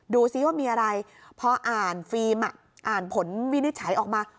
ดูสิว่ามีอะไรเพราะอ่านฟิล์มอ่ะอ่านผลวินิจฉัยออกมา